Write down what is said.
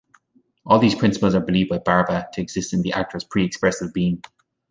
All these principles are believed by Barba to exist in the actors pre-expressive being.